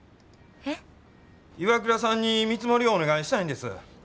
ＩＷＡＫＵＲＡさんに見積もりをお願いしたいんです。